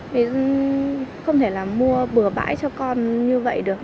vì không thể là mua bừa bãi cho con như vậy được